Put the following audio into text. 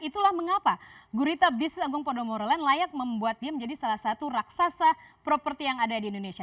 itulah mengapa gurita bisnis agung podomoro land layak membuat dia menjadi salah satu raksasa properti yang ada di indonesia